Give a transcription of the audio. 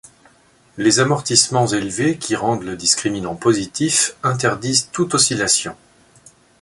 Les amortissements élevés qui rendent le discriminant positif interdisent toute oscillation.